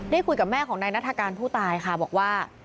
คุยกับแม่ของนายนัฐกาลผู้ตายค่ะบอกว่า